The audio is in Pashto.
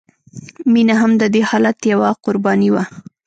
مینه هم د دې حالت یوه قرباني وه